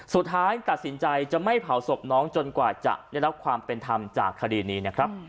สุดท้ายตัดสินใจจะไม่เผาศพน้องจนกว่าจะได้รับความเป็นธรรมจากคดีนี้นะครับ